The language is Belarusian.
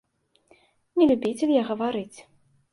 Не любіцель я гаварыць.